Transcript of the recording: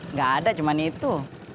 nggak ada cuman itu